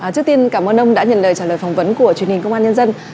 trước tiên cảm ơn ông đã nhận lời trả lời phỏng vấn của truyền hình công an nhân dân